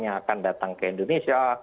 yang akan datang ke indonesia